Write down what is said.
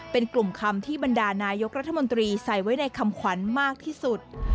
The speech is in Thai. เป็นกลุ่มคำที่บรรดานายกรัฐมนตรีใส่ไว้ในคำขวัญมากที่สุด